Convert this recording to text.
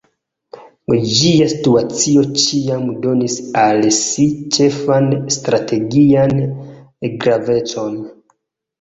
Ĝia situacio ĉiam donis al si ĉefan strategian gravecon.